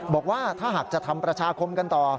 บอกว่าถ้าหากจะทำประชาคมกันต่อ